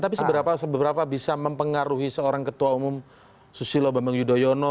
tapi seberapa bisa mempengaruhi seorang ketua umum susilo bambang yudhoyono